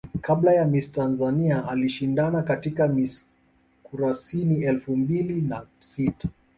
Kabla ya Miss Tanzania alishindana katika Miss Kurasini elfu mbili na sita